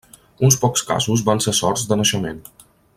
Uns pocs casos van ser sords de naixement.